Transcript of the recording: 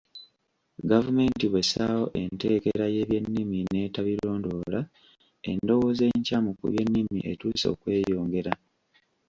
"Gavumenti bw'essaawo enteekera y'ebyennimi n'etabirondoola, endowooza enkyamu ku by'ennimi etuuse okweyongera ."